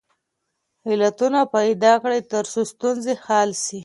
علتونه پیدا کړئ ترڅو ستونزې حل سي.